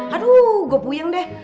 aduh gue puyeng deh